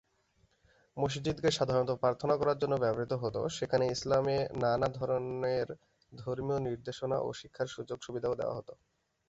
মসজিদকে সাধারণত প্রার্থনা করার জন্য ব্যবহৃত হত, সেখানে ইসলামে নানা ধরনের ধর্মীয় নির্দেশনা ও শিক্ষার সুযোগ সুবিধাও দেওয়া হত।